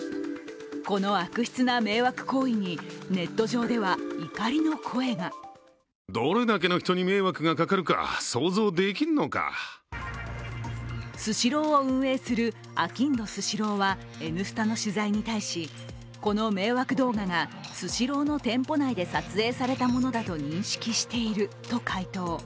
この悪質な迷惑行為にネット上では怒りの声がスシローを運営するあきんどスシローは「Ｎスタ」の取材に対しこの迷惑動画がスシローの店舗内で撮影されたものだと認識していると回答。